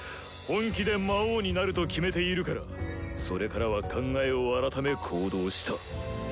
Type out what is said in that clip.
本気で魔王になると決めているからそれからは考えを改め行動した。